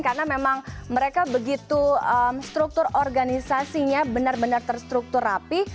karena memang mereka begitu struktur organisasinya benar benar terstruktur rapi